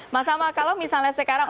mas amal kalau misalnya sekarang